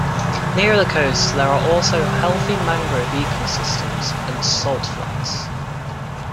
Nearer the coast there are also healthy mangrove ecosystems and salt flats.